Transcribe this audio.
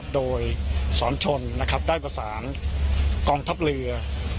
โดยสอนชนได้ประสานกองทัพเรือ